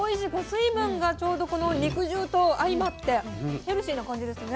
水分がちょうどこの肉汁と相まってヘルシーな感じですね。